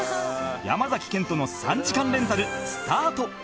山賢人の３時間レンタルスタート！